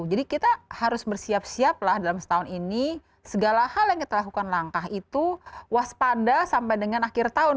jadi kita harus bersiap siap lah dalam setahun ini segala hal yang kita lakukan langkah itu waspada sampai dengan akhir tahun